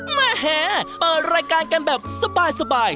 แหมเปิดรายการกันแบบสบาย